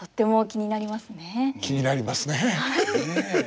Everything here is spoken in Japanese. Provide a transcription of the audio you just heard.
気になりますね。